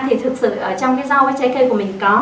thì thực sự ở trong cái rau trái cây của mình có